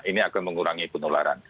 ini akan mengurangi penularan